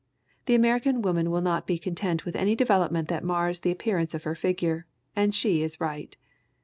The American woman will not be content with any development that mars the appearance of her figure, and she is right.